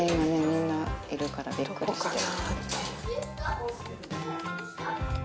みんないるからびっくりしてる。